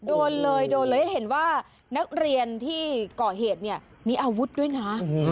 โดนเลยโดนเลยให้เห็นว่านักเรียนที่ก่อเหตุเนี่ยมีอาวุธด้วยนะ